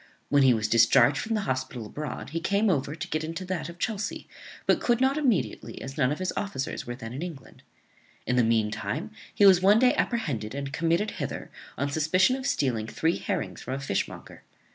When he was discharged from the hospital abroad he came over to get into that of Chelsea, but could not immediately, as none of his officers were then in England. In the mean time, he was one day apprehended and committed hither on suspicion of stealing three herrings from a fishmonger.